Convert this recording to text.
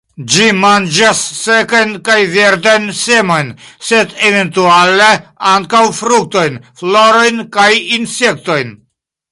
Ĝi manĝas sekajn kaj verdajn semojn, sed eventuale ankaŭ fruktojn, florojn kaj insektojn.